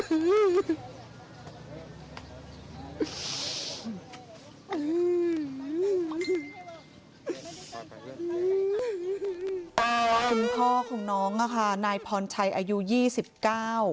คุณพ่อของน้องอ่ะค่ะนายพรชัยอายุยี่สิบเก้า